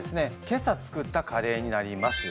今朝作ったカレーになります。